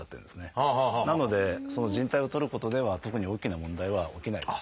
なのでじん帯を取ることでは特に大きな問題は起きないです。